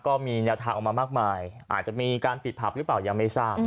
ก็มีแนวทางออกมามากมายอาจจะมีการปิดผับหรือเปล่ายังไม่ทราบ